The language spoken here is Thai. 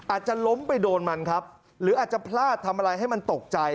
อาจจะล้มไปโดนมันครับหรืออาจจะพลาดทำอะไรให้มันตกใจ